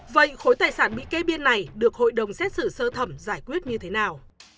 vậy khối tài sản bị kê biên này được hội đồng xét xử sơ thẩm giải quyết như thế nào